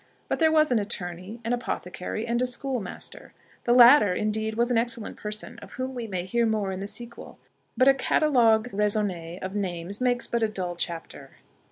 But there was an attorney, an apothecary, and a schoolmaster. The latter, indeed, was an excellent person, of whom we may hear more in the sequel; but a catalogue raisonné of names makes but a dull chapter.